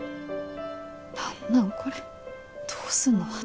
何なんこれどうすんの？